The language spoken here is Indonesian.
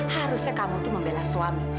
harusnya kamu itu membela suami